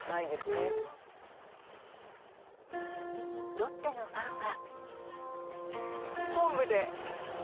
ロッテのファンは。